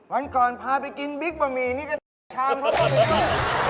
วันก่อนพาไปกินบิ๊กบะหมี่นี่ก็ดีกว่าชามเพราะแบบนี้